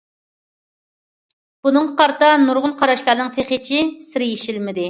بۇنىڭغا قارىتا نۇرغۇن قاراشلارنىڭ تېخىچە سىرى يېشىلمىدى.